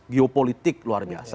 geopolitik luar biasa